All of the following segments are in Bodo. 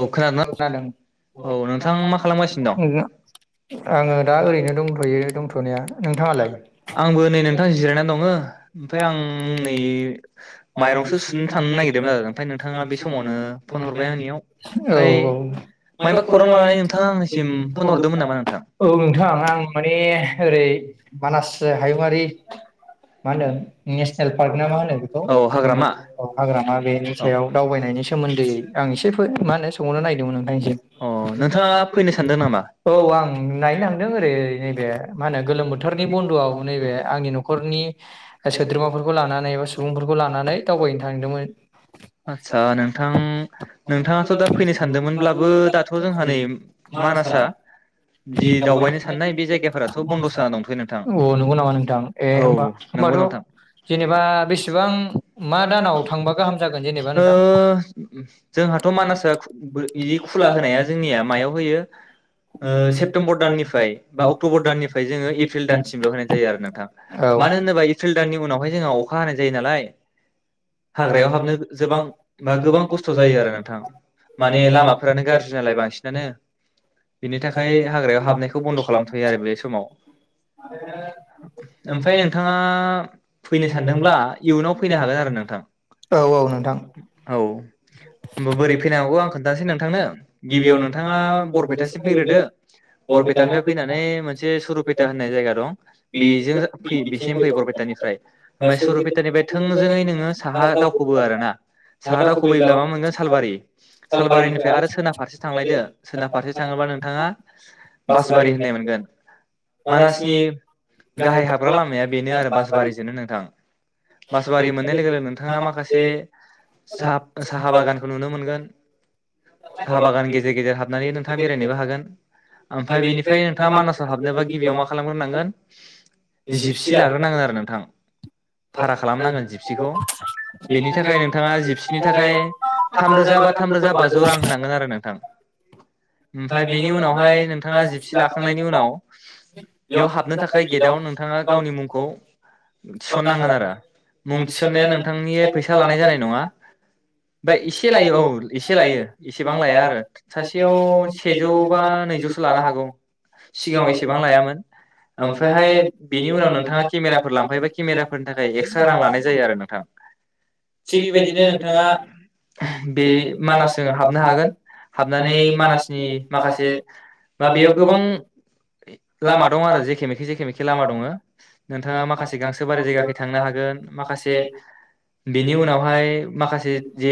औ खोनादोंना खोनादों औ नोंथां मा खालामगासिनो दं आङो दा ओरैनो दंथ'यो दंथ'नाया नोंथाङालाय आंबो नै नोंथां जिरायना दंङो ओमफ्राय आं नै माइरंसो सुनो थांनो नागिरदोंमोन आरो ओमफ्राय नोंथाङा बे समावनो फन हरबाय आंनियाव औ ओमफ्राय औ मायबा खौरां लानानै नोंथाङा आंनिसिम फन हरदोंमोन नामा नोंथां? औ नोंथां आं माने ओरै मानास हायुंङारि मा होनदों नेसनेल पार्क ना मा होनो बेखौ औ हाग्रामा औ हाग्रामा बेनि औ सायाव दावबायनायनि सोमोन्दै आं [unintelligible] सोंनो नायदोंमोन नोंथांसिम अ नोंथाङा फैनो सानदों नामा? औ आं नायनो थांदों ओरै नैबे मा होनो गोलोम बोथोरनि बन्दआव नैबे आंनि नखरनि सोद्रोमाफोरखौ लानानै एबा सुबुंफोरखौ लानानै दावबायनो थांदोंमोन नोंथाङा दा फैनो सानदोंमोनब्लाबो दाथ जोंहा नै मानासा जि दावबायनो साननाय बे जायगाफोराथ बन्दसो जाना दंथयो नोंथां अ नंगौ नामा नोंथां ए होमबा औ नंगौ होमबाथ' नोंथां जेनेबा बेसेबां मा दानाव थांबा गाहाम ओ जोंहाथ मानास दा खुला होनाया जोंनिया मायाव होयो ओ सेप्तेम्बर दाननिफ्राय बा अक्टबर दाननिफ्राय जोङो एप्रिल दानसिमल होनाय जायो आरो नोंथां औ मानो होनोबा एप्रिल दाननि उनावहाय जोंहा अखा हानाय जायो नालाय हाग्रायाव हाबनो जोबां बा गोबां खस्थ जायो आरो नोंथा माने लामाफोरानो गाज्रि नालाय बांसिनानो बेनि थाखाय हाग्रायाव हाबनायखौ बन्द खालामथयो आरो बे समाव ओमफ्राय नोंथाङा फैनो सानदोंब्ला इयुनाव फैनो हागोन आरो नोंथां औ औ होनबा बोरै फैनो हागौ आं खोन्थानोसै नोंथांनो गिबियाव नोंथाङा बरपेटासिम फैग्रोदो बरपेटानिफ्राय फैनानै मोनसे सुरूपेटा होननाय जायगा दं बेजों फै बेसिम फैयो बरपेटानिफ्राय ओमफ्राय सुरुपेटानिफ्राय थोंजोङै नोङो साहा दावखोबो आरो ना साहा दावखोबोयोब्ला मा मोनगोन सालबारि सालबारिनिफ्राय आरो सोनाब फारसे थांलायदो सोनाब फारसे थाङोबा नोंथाङा बासबारि होननाय मोनगोन मानासनि गाहाय हाबग्रा लामाया बेनो आरो बासबारिजोनो नोंथां बासबारि मोननाय लोगो लोगो नोंथाङा माखासे साहा साहा बागानखौ नुनो मोनगोन साहा बागान गेजेर गेजेर हाबनानै नोंथाङा बेरायनोबो हागोन ओमफफाय बेनिफ्राय नोंथाङा मानासाव हाबनोबा गिबियाव मा खालामग्रोनांगोन जिपसि लाग्रोनांगोन आरो नोंथां भारा खालामनांगोन जिपसिखौ बेनि थाखाय नोंथाङा [unintelligible] थाम रोजा बाजौ रां होनांगोन आरो नोंथां। ओमफफ्राय बेनि उनावहाय नोंथाङा जिपसि लाखांनायनि उनाव बेयाव हाबनो थाखाय गेटआव नोंथाङा गावनि मुंखौ थिसननांगोन आरो मुं थिसन्नाया नोंथांनि फैसा लानाय जानाय नङा ओमफ्राय एसे लायो औ एसे लायो एसेबां लाया आरो सासेयाव सेजौ बा नैजौसो लानो हागौ सिगाङाव एसेबां लायामोन ओमफ्रायहाय बेनि उनाव नोंथाङा केमेराफोर लांफायोबा केमेराफोरनि थाखाय एक्सट्रा रां लानाय जायो आरो नोंथां थिग बेबायदिनो नोंथाङा बे मानासजों हाबनो हागोन हाबनानै मानासनि माखासे बा बेयाव गोबां लामा दं आरो जेखेमेखे जेखेमेखे लामा दङोनोंथाङा माखासे गांसो बारि जायगाखै थांनो हागोन माखासे बिनि उनावहाय माखासे जे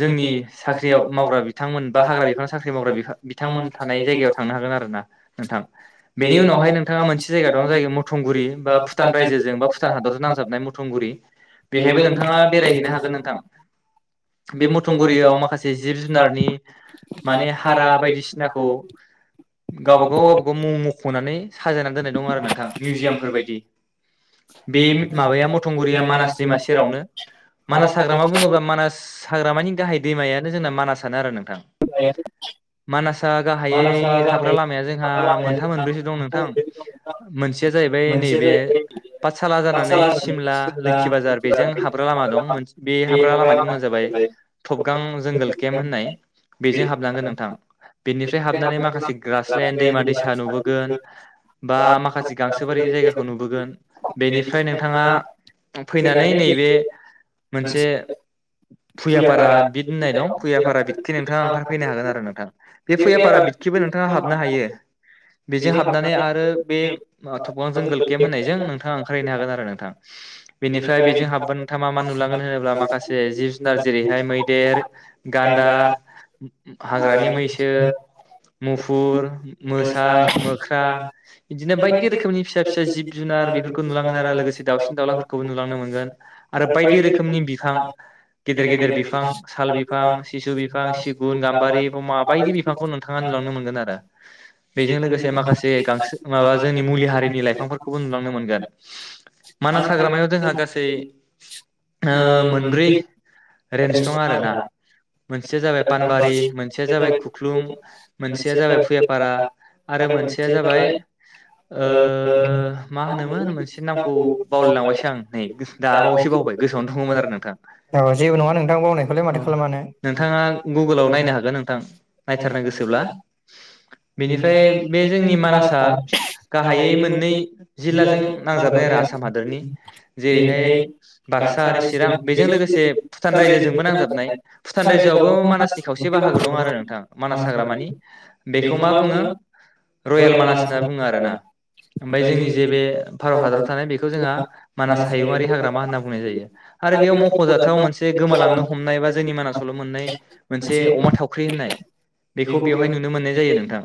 जोंनि साख्रि आव मावग्रा बिथांमोन बा हाग्रा बिफानाव साख्रि मावग्रा बिथांमोन थानाय जायगायाव थांनो हागोन आरो ना नोंथां बेनि उनावहाय नोंथाङा मोनसे जायगायाव दं जाय मथंगुरि बा भुटान रायजोजों बा भुटान हादरजों नांजाबनाय मथंगुरि बेनो बेहायबो नोंथां आ नोंथाङा बेरायहैनो बेरेहैनो हागोन नोंथां बे मथंगुरियाव माखासे जिब जुनारनि माने हारा बायदिसिनाखौ गावबा गाव गावबागाव मुं मखनानै साजायनानै दोन्नाय दं आरो नोंथां मिउजियामफोर बायदि बे माबाया मथंगुरिया मानास दैडमा सेरावनो मानास हाग्रामा बुङोब्ला मानास हाग्रामानि गाहाय दैमायानो जोंना मानासानो आरो नोंथां [unintelligible] आसा गाहायै हाग्रा लामाया जोंहा मोनथाम मोनब्रैसो दं नोंथां मोनसेया जाहैबाय नैबे पाठसाला जानानै सिमला लोखि बाजार बेजों हाब्रा लामा दं बे हाग्रा लामानि मुङा जाबाय थबगां जोंगलकेम होननाय बेजों हाबनांगोन नोंथां बेनिफ्राय हाबनानै माखासे ग्रासलेण्ड दैमा दैसा नुबोगोन बा माखासे गांसोोबारि जायगाखौ नुबोगोन बेनिफ्राय नोंथाङा फैनानै नैबे मोनसे भुयाफारा बिद होननाय दं फुयाफारा बिदथि नोंथाङा ओंखारफैनो हागोन आरो नोंथां। बे भैयाफारा बिदखिबो नोंथाङा हाबनो हायो बेजों हाबनानै आरो बे थफ्लांजों गोल केेम्प होननायजों नोंथाङा ओंखारहैनो हागोन आरो नोंथां बेनिफ्राय बेजों हाबबा नोंथाङा मा मा नुलांगोन होनोब्ला माखासे जिब नार जेरैहाय मैदेर, गान्दा हाग्रानि मैसो मुफुर मोसा मोख्रा बिदिनो बायदि रोखोमनि फिसा फिसा जिब जुनार बेफोरखौ नुलांगोन आरो लोगोसे दाउसिन दाउलाफोरखौबो नुलांनो मोनगोन आरो बायदि रोखोमनि बिफां गेदेर गेदेर बिफां साल बिफां सिसु बिफां सिगु बारि बमा बायदि बिफां नोंथाङा नुनो मोनगोन आरो बेजों लोगोसे माखासे गांसो माबा जोंनि मुलि हारिनि लाइफांफोरखौबो नुलांनो मोनगोन मानास हाग्रामायाव जोंहा गासै मोनब्रै रेन्स दं आरो ना मोनसेया जाबाय पानबारि मोनसेया जाबाय खुख्लुं मोनसेया जाबाय भुयापारा आरो मोनसेया जाबाय मा होनोमोन मोनसे नामखौ बावलायलांबायसो आं नै दाबावैसो बावबाय गोसोआवनो दङमोन आरो नोंथां औ जेबो नङा नोंथां बावनायखौलाय माथो औ खालामानो नोंथाङा हानो। गुगोलाव नायनो हागोन नोंथां नायथारनो गोसोब्ला बेनिफ्राय बे जोंनि मानासआ गाहायै मोननै जिल्लाजों नांजाबनाय आरो आसाम हादरनि जेरैहाय बाक्सा आरो चिरां बेजों लोगोसे भुटान रायजोजोंबो नांजाबनाय भुटान रायजोआवबो मानासनि खावसे बाहागो दं आरो नोंथां मानास हाग्रामानि बेखौ मा बुङो रयेल मानास होनना बुङो आरो ना ओमफ्राय जोंनि जे बे भारत हादराव थानाय बेखौ जोंहा मानास हायुङायारि हाग्रामा होनना बुंनाय जायो आरो बेयाव मख'जाथाव मोनसे गोमालांनो हमनाय बा जोंनि मानासावल‌' मोननाय मोनसे अमा थावख्रि होननाय बेखौ बेवहाय नुनो मोननाय जायो नोंथां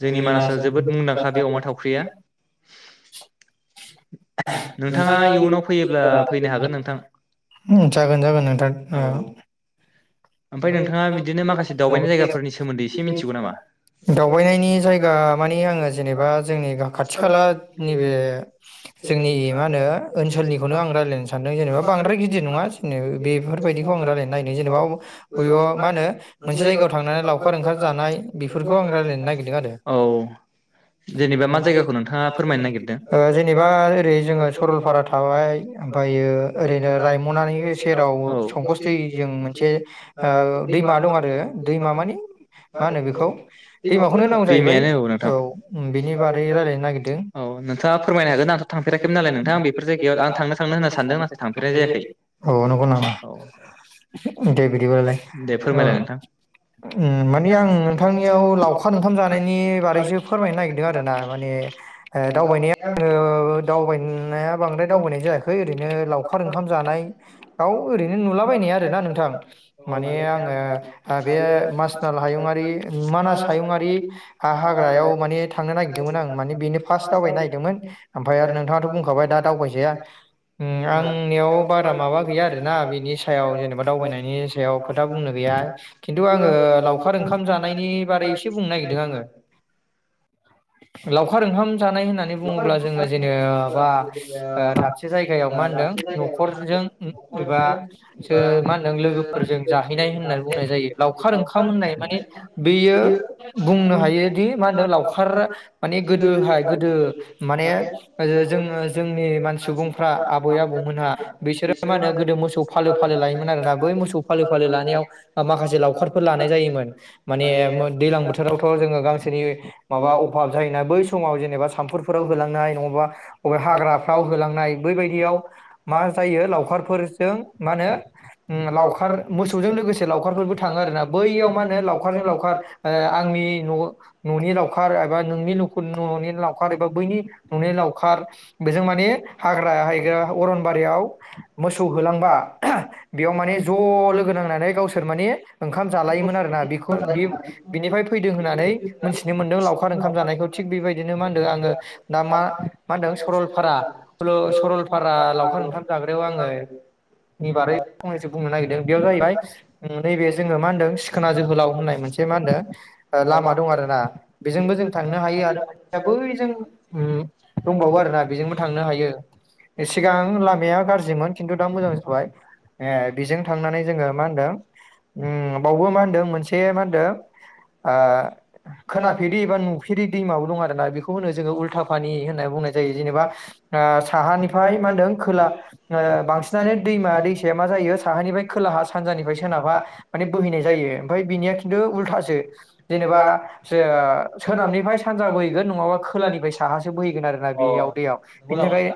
जोंनि मानासाव जोबोद मुंदांखा बे अमा थावख्रिया नोंथाङा इयुनाव फैयोब्ला फैनो हागोन नोंथां। जागोन जागोन नोंथां ओमफ्राय नोंथाङा बिदिनो माखासे दावबायनाय जायगाफोरनि सोमोन्दै एसे मिथिगौ नामा दावबायनायनि जायगा माने आङो जेनेबा जोंनि खाथि खाला नैबे जोंनि मा होनो ओनसोलनिखौनो आं रायलायनो सानदों जेनेबा बांद्राय गिदिर नङा जोंनाबो बेफोरबायदिखौ आं रायलायनो नायदों जेनेबा बबेब मा होनो मोनसे जायगायाव थांनानै लावखार ओंखार जानाय बेफोरखौ आं रायलायनो नागिरदों आरो औ ओ जेनेबा मा जायगाखौ नोंथाङा फोरमायनो नागिरदों जेनेबा ओरै जोङो सरलपारा थाबाय ओमफ्रायो ओरैनो रायमनानि सेराव संकस दैजों मोनसे दैमा दं आरो दैमा मानि मा होनो बेखौ दैमाखौनो नांगौ जाहैबाय आरो औ बेनि बारै रायलायनो नागिरदों। औ नोंथाङा फोरमायनो हागोन आंथ' थांफेराखैमोन नालाय नोंथां बेफोर जायगायाव आं थांनो थांनो होनना सानदों नाथाय थांफेरनाय जायाखै औ नंगौ नामा? औ दे। दे फोरमायलाय नोंथां माने आं नोंथांनियाव लावखार ओंखाम जानायनि बागैसो फोरमायनो नागिरदों आरो ना माने दावबायनाया दावबायनाया बांद्राय दावबायनाय जायाखै ओरैनो लावखार ओंखाम जानायाव ओरैनो नुलाबायनाय आरो ना नोंथां। माने आङो बे मासनाल हायुङारि मानास हायुङारि हा-हाग्रायाव माने थांनो नागिरदोंमोन आं माने बेनो फार्स्ट दावबायनो नायदोंमोन ओमफाय आरो नोंथाङाथ बुंखाबाय दा दावबायजाया उम आंनियाव बारा माबा गैया आरोना बिनि सायाव जेनेबा दावबायनायनि याव खोथा बुंनो गैया खिन्थु आङो लावखार ओंखाम जानायनि बारै एसे बुंनो नागिरदों आङो। लावखार ओंखाम जानाय होननानै बुङोब्ला जोङो जेने बा दाबसे जायगायाव मा होनदों न'खरजों उम एबा सो मा होनदों लोगो फोरजों जाहैनाय होननानै बुंनाय जायो लावखार ओंखाम होननाय माने बेयो बुंनो हायोदि मा होनदो लावखार माने गोदोहाय गोदो ओ माने जोंङो जोंनि मान सुबुंफ्रा आबै आबौमोनहा बिसोरो मा होनो गोदो मोसौ फालो फालो लायोमोन आरोना बै मौसौ [unintelligible] लानायाव माखासे लावखारफोर लानाय जायोमोन माने मो- दैलां बोथोरावथ' जों गांसोनि माबा अफाब जायोना बै समाव जेनेबा साम फोराव होलांनाय नङाबा अबे हाग्राफ्राव होलांनाय बैबायदियाव मा जायो लावखारफोरजों मा होनो उम लावखार मोसौजों लोगोसे लावखारफोरबो थाङो आरोना बैयाव मा होनो लावखारजों लावखार ओ आंनि न-न'नि लावखार एबा नोंनि नखर न'नि लाव बैनि ननि लावखार बेजों माने हाग्रा हायग्रा अरनबारियाव मोसौ होलांबा बेयाव माने ज लोगो नांनानै गावसो सोर माने ओंखाम जालायोमोन आरोना बेखौ बि-बिनिफ्राय फैदों होननानै मिथिनो मोनदों लावखार ओंखाम जानायखौ थिग बेबायदिनो मा होनदों आङो दा मा मा होनदों सरलपारा सलरपारा लावखार ओंखाम जाग्रायाव आङो एबारै फंनैसो बुंनो नागिरदों। जाहैबाय नैबे जोङो सिखोना जोहोलाव होननाय मोनसे मा होनदों लामा दं आरो ना बेजोंबो जों थांनो हायो आरो मोनसेया बै जों ओम दंबावो आरो ना बेजोंबो थांनो हायो सिगां लामाया गाज्रिमोन खिन्थु दा मोजां जाबाय ए बेजों थांनानै जोङो मा होनदों? उम, बावबो मा होनदों मोनसे मा होनदों ओ, खोनाफेरि एबा नुफेरि दैमाबो दं आरोना बेखौ होनो जोङो उल्था फानि होनना बुंनाय जायो जेनेबा ओ साहानिफ्राय मा होनदों खोला ओ बांसिनानो दैमा दैसाया मा जायो साहानिफ्राय खोलाहा सानजानिफ्राय सोनाबहा मानि बोहैनाय जायो ओमफ्राय बिनिया खिन्थु उल्थासो। जेनेबा जो- सोनाबनिफ्राय सानजा बोहैगोन नङाबा खोलानिफ्राय साहासो बोहैगोन आरोना बेयाव दैयाव बिनि थाखाय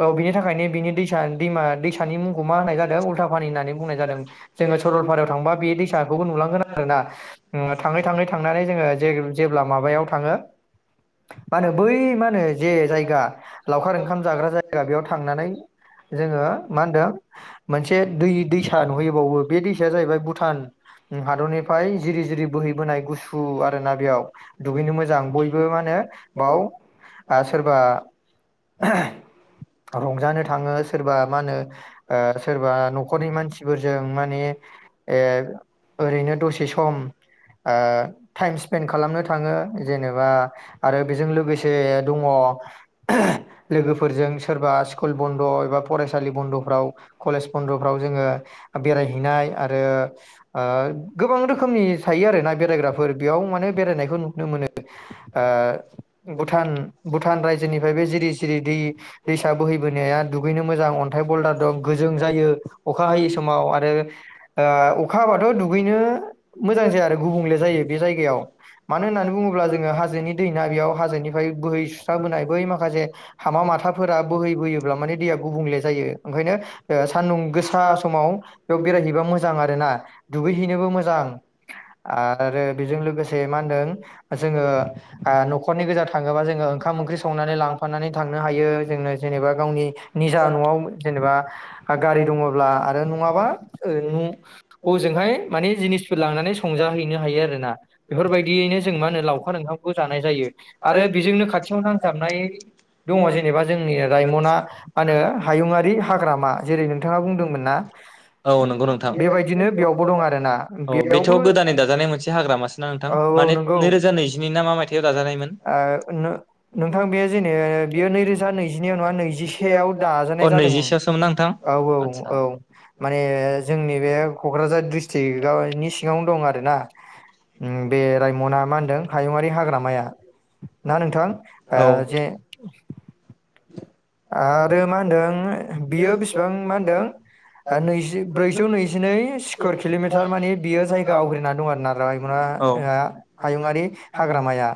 औ बिनि थाखायनो बिनि दै दैसा दैमा दैसानि मुंखौ मा होननाय जादों उल्था पानि होननानै बुंनाय जादों जोङो सरलपारायाव थांबा बा बे दैसाखौबो नुलांगोन आरोना थाङै थाङै थांनानै जोङो जे-जेब्ला माबायाव थाङो, मा होनो बै मा होनो जे जायगा लावखार ओंखाम जाग्रा जायगा बेयाव थांनानै जोङो मा होनदों मोनसे एसे दै दैसा नुहैयो बेयावबो बे दैसाया जाहैबाय भुटान हादरनिफ्राय जिरि जिरि बोहैबोनाय गुसु आरोना बेयाव दुगैनो मोजां बयबो मा होनो बाव सोरबा ओहो रंजानो थाङो सोरबा मा होनो सोरबा नखरनि मानसिफोरजों माने ए ओरैनो दसे सम ओ टाइम स्पेन्ड खालामनो थाङो जेनेबा आरो बेजों लोगोसे दङ ओहो लोगोफोरजों सोरबा स्कुल बन्द' एबा फरायसालि बन्दफ्राव कलेज बन्दफ्राव जोङो बेरायहैनाय आरो ओ आ गोबां रोखोमनि थायो आरोना बेरायग्राफोर बेयाव माने बेरायनायखौ नुनो मोनो, ओ भुथान भुथान रायजोनिफ्राय बे जिरि जिरि दै दैसा बोहैबोनाया दुगैनो मोजां अन्थाइ बल्दार दं। गोजों जायो अखा हायै समाव आरो ओ अखा हाबाथ' दुगैनो मोजां जाया आरो गुबुंले जायो बे जायगायाव मानो होननानै बुङोब्ला जोङो हाजोनि दैना बेयाव हाजोनिफ्राय बोहै सुस्राबोनाय बै माखासे हामा माथाफोरा बोहै बोयोब्ला माने दैया गुबुंले जायो ओंखायनो ओ सानदुं गोसा समाव बेयाव बेरायहैबा मोजां आरो ना दुगैहैनोबो मोजां। आरो बेजों लोगोसे मा होनदों जोङो आ नखरनि गोेजा थाङोबा जोङो ओंखाम ओंख्रि संनानै लांफानानै थांनो हायो जोङो जेनेबा गावनि निजा न'आव जेनेबा गारि दङोब्ला आरो नङाबा ओ हजोंहाय माने जिनिसफोर लांनानै संजाहैनो हायो आरोना बेफोरबायदियैनो जों मा होनो लावखार ओंखामखौ जानाय जायो आरो बेजोंनो खाथियाव नांजाबनाय दङ जेनेबा जोंनि रायमना मा होनो हायुङारि हाग्रामा, जेरै नोंथाङा बुंदोंमोन ना? औ नंगौ नोंथां बेबायदिनो बेयावबो दं आरोना औ बेयाव बेथ'गोदानै दाजानाय मोनसे हाग्रामासो ना नोंथां औ औ माने नंगौ नैरोजा नैजिनै ना मा मायथाइयाव दाजानायमोन, ओ नो नोंथां बे जेने बेयो नैरोजा नैजिनैआव नङा नैजिसेयाव दाजानाय जादोंमोन औ आरो औ औ माने, जोंनि बे कक्राझार दिस्ट्रिकयाव सिङावनो दं आरो ना ओम बे रायमना मा होनदों हायुंआरि हाग्रामाया। ना नोंथां ओ जे, आरो मा होनदों बियो बेसेबां मा होनदों औ ओ नैजि ब्रैजौ नैजिनै स्कुवेर किलमिटार माने बियो जायगा आवग्रिना दं आरोना रायमना आ हायुंआरि हाग्रामाया।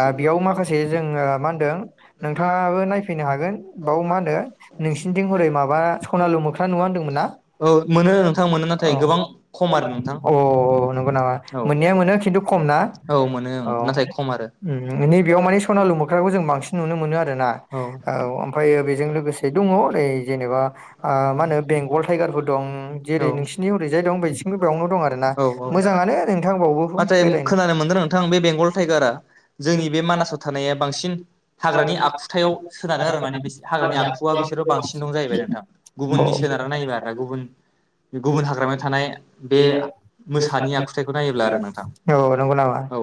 आ बेयाव माखासे जोङो मा होनदों नोंथाङाबो नायफैनो हागोन, बाव मा होनो नोंसिनिथिं हरै माबा सनालु मोख्रा नुवा होनदोंमोन ना औ मोनो नोंथां मोनो नाथाय औ गोबां खम आरो नोंथां औ नंगौ नामा औ मोननाया मोनो खिन्थु खम ना? औ मोनो ओं औ नाथाय खम आरो ओम नैबेयाव माने सनालु मोख्राखौ जों बांसिन नुनो मोनो आरोना औ औ ओमफ्रायो बेजों लोगोसे दङ ओरै जेनेबा ओ मा होनो बेंगल टाइगारफोर दं जेरै नोंसिनि ओरैजाय दं बिथिंबो बेयावनो दं आरो ना। औ औ मोजाङानो नोंथां बावबो नाथाय बेरायनो। खोनानो मोनदों नोंथां बे बेंगल टाइगारा जोंनि बे मानासाव थानाया बांसिन हाग्रानि आखुथायाव सोनारो आरो माने बिसिनि हाग्रानि आखुआ बिसोरनाव बांसिन दं जाहैबाय नोंथां गुबुननि सोनारना नायोबा आरो गुबुन, गुबुन हाग्रामायाव थानाय बे मोसानि आखुथायखौ नायोब्ला आरो नोंथां औ नंगौ नामा औ औ,